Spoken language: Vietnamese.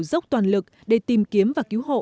dốc toàn lực để tìm kiếm và cứu hộ